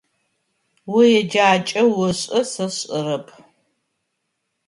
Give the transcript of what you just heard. О еджакӏэ ошӏэ, сэ сшӏэрэп.